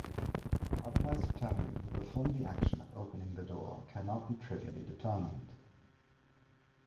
Otherwise determining who performed the action of opening the door cannot be trivially determined.